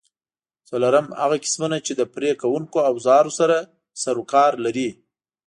څلورم: هغه کسبونه چې له پرې کوونکو اوزارونو سره سرو کار لري؟